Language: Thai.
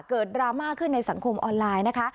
ดราม่าขึ้นในสังคมออนไลน์นะคะ